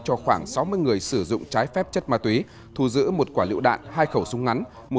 cho khoảng sáu mươi người sử dụng trái phép chất ma túy thu giữ một quả liệu đạn hai khẩu súng ngắn